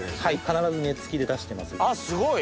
必ず根付きで出してます。